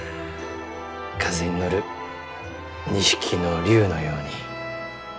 風に乗る２匹の竜のように。